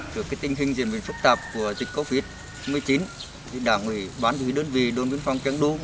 trước tình hình diễn biến phức tạp của dịch covid một mươi chín đảng ubnd đơn vị đơn viên phòng trang đúng